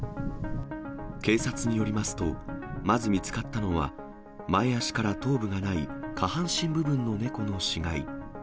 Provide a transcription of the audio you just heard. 警察によりますと、まず見つかったのは、前足から頭部がない下半身部分の猫の死骸。